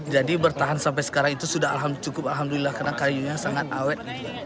jadi bertahan sampai sekarang itu sudah cukup alhamdulillah karena kayunya sangat awet